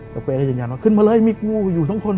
เจ้าเป๊ก็ยังยังว่าขึ้นมาเลยมีกูอยู่ทั้งคน